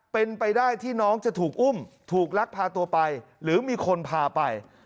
เป็นไปได้ที่น้องจะถูกอุ้มถูกลักพาตัวไปหรือมีคนพาไป